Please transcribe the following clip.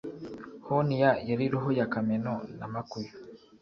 honia yari roho ya kameno na makuyu